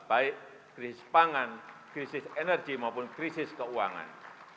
baik krisis pangan krisis energi maupun krisis keuangan